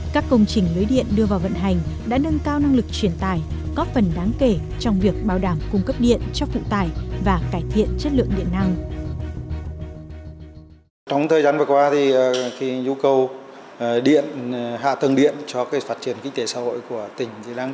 các công trình lưới điện đưa vào vận hành đã nâng cao năng lực truyền tải có phần đáng kể trong việc bảo đảm cung cấp điện cho phụ tải và cải thiện chất lượng điện năng